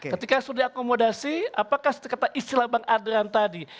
ketika sudah diakomodasi apakah setiap kata istilah bang andrean tadi